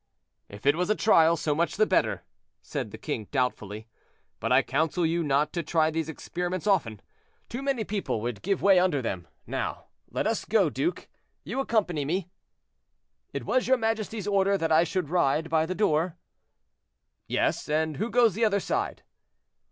"If it was a trial, so much the better," said the king, doubtfully; "but I counsel you not to try these experiments often; too many people would give way under them. Now, let us go, duke; you accompany me?" "It was your majesty's order that I should ride by the door?" "Yes; and who goes the other side?"